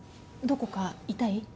どこか痛い？